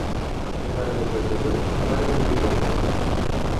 Schimbare de proceduri, schimbare de direcție.